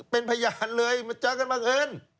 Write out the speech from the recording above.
เป็นพยานเลยมาเจอกันบังเอิญ